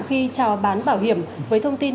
khi trào bán bảo hiểm với thông tin